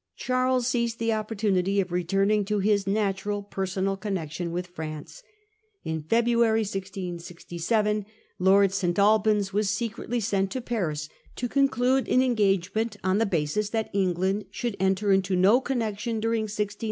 , Charles seized the opportunity of returning to his natural personal connection with France. In February Secret >667 Lord St. Albans was secretly sent to Paris engagement to conclude an engagement on the basis that between 0 .... Louis xiv. England should enter into no connection during Charles n.